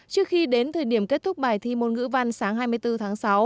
trước khi đến thời điểm kết thúc bài thi môn ngữ văn sáng hai mươi bốn tháng sáu